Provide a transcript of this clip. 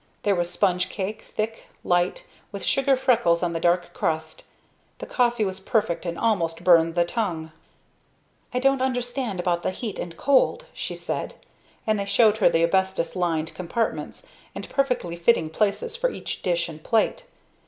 There was sponge cake, thick, light, with sugar freckles on the dark crust. The coffee was perfect and almost burned the tongue. "I don't understand about the heat and cold," she said; and they showed her the asbestos lined compartments and perfectly fitting places for each dish and plate.